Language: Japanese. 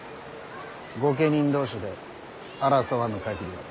御家人同士で争わぬ限りは。